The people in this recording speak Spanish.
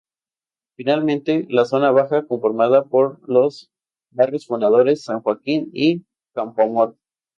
Finalmente, la zona baja, conformada por los barrios Fundadores, San Joaquín y Campoamor.